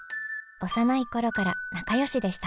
幼い頃から仲よしでした。